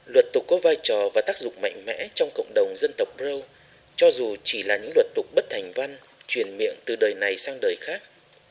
luật tục có vai trò và tác dụng mạnh mẽ trong cộng đồng dân tộc rêu cho dù chỉ là những luật tục bất thành văn truyền miệng từ đời này sang đời khác